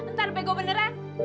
ntar bego beneran